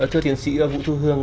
thưa tiến sĩ vũ thu hương